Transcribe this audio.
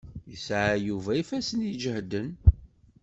Yesɛa Yuba ifassen iǧehden.